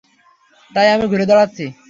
তাই আমি ঘুরে দাঁড়াচ্ছি।